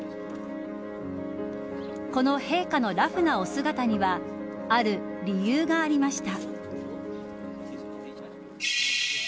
この陛下のラフなお姿にはある理由がありました。